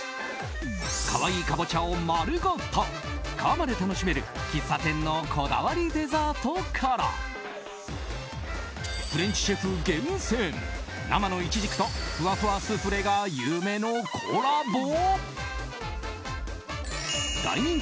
可愛いカボチャを丸ごと皮まで楽しめる喫茶店のこだわりデザートからフレンチシェフ厳選生のイチジクとふわふわスフレが夢のコラボ。